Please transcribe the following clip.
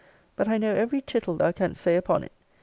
But I know every tittle thou canst say upon it.